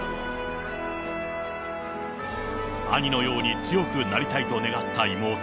兄のように強くなりたいと願った妹。